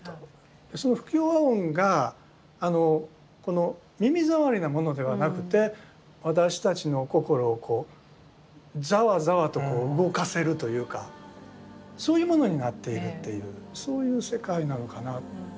その不協和音が耳障りなものではなくて私たちの心をこうざわざわと動かせるというかそういうものになっているっていうそういう世界なのかなと。